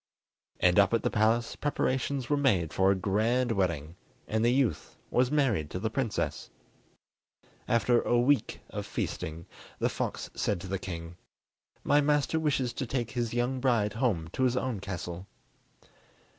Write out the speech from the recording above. And up at the palace preparations were made for a grand wedding, and the youth was married to the princess. After a week of feasting, the fox said to the king: "My master wishes to take his young bride home to his own castle."